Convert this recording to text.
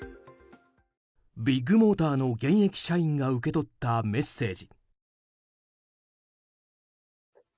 ビッグモーターの現役社員が受け取ったメッセージ。